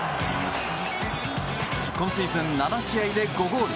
今シーズン７試合で５ゴール。